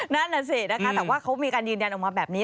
นั่นน่ะสินะคะแต่ว่าเขามีการยืนยันออกมาแบบนี้